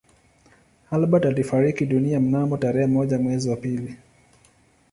Albert alifariki dunia mnamo tarehe moja mwezi wa pili